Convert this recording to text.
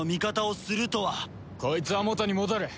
こいつは元に戻る。